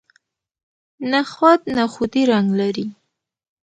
نخود نخودي رنګ لري.